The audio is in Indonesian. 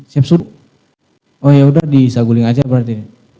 siap sudut oh ya udah di saguling aja berarti